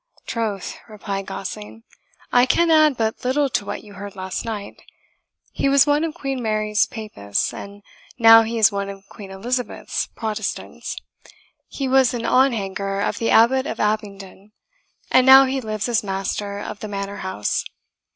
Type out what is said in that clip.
"Troth," replied Gosling, "I can add but little to what you heard last night. He was one of Queen Mary's Papists, and now he is one of Queen Elizabeth's Protestants; he was an onhanger of the Abbot of Abingdon; and now he lives as master of the Manor house.